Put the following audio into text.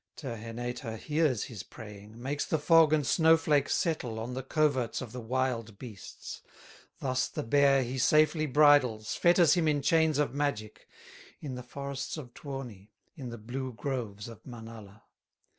Terhenetar hears his praying, Makes the fog and snow flake settle On the coverts of the wild beasts; Thus the bear he safely bridles, Fetters him in chains of magic, In the forests of Tuoni, In the blue groves of Manala.